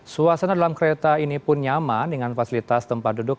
suasana dalam kereta ini pun nyaman dengan fasilitas tempat duduk